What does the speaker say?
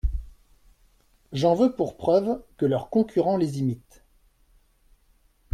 J’en veux pour preuve que leurs concurrents les imitent.